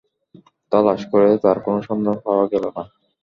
তালাশ করেও তার কোন সন্ধান পাওয়া গেল না।